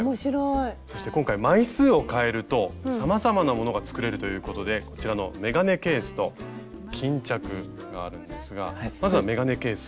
そして今回枚数をかえるとさまざまなものが作れるということでこちらの眼鏡ケースと巾着があるんですがまずは眼鏡ケース。